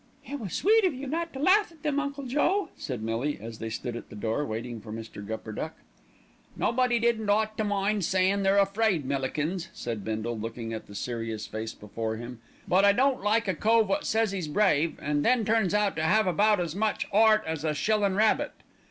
"It was sweet of you not to laugh at them, Uncle Joe," said Millie, as they stood at the door waiting for Mr. Gupperduck. "Nobody didn't ought to mind sayin' they're afraid, Millikins," said Bindle, looking at the serious face before him; "but I don't like a cove wot says 'e's brave, an' then turns out to 'ave about as much 'eart as a shillin' rabbit.